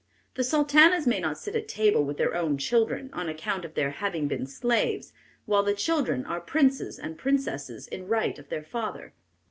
The sultanas may not sit at table with their own children, on account of their having been slaves, while the children are princes and princesses in right of their father."